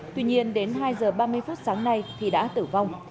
tuy nhiên đến hai giờ ba mươi phút sáng nay thì đã tử vong